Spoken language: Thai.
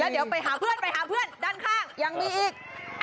แล้วเดี๋ยวไปหาเพื่อนด้านข้างยังมีอีก